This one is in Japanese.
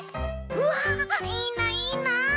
うわいいないいな。